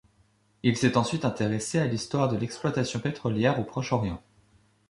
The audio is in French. Il s'est ensuite intéressé à l'histoire de l'exploitation pétrolière au Proche-Orient.